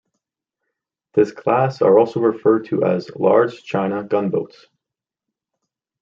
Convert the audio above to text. This class are also referred to as "large China gunboats".